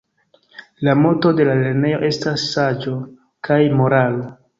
La moto de la lernejo estas "Saĝo kaj Moralo"